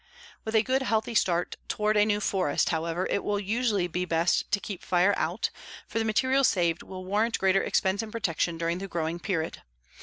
With a good, healthy start toward a new forest, however, it will usually be best to keep fire out, for the material saved will warrant greater expense in protection during the growing period.